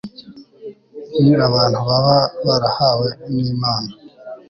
ni abantu baba barahawe n'imana